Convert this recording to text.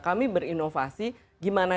kami berinovasi bagaimana